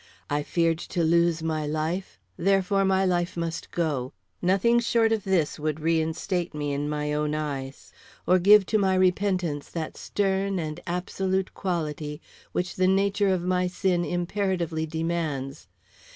I feared to lose my life, therefore my life must go. Nothing short of this would reinstate me in my own eyes, or give to my repentance that stern and absolute quality which the nature of my sin imperatively demands.